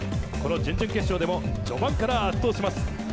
この準々決勝でも序盤から圧倒します。